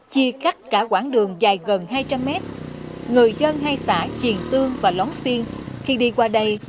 chia cắt cả quảng đường dài gần hai trăm linh mét người dân hay xã triền tương và lón phiên khi đi qua đây